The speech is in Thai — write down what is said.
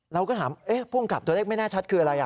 เราก็ถามเอ๊ะผู้ขับตัวเลขไม่แน่ชัดคืออะไรอะ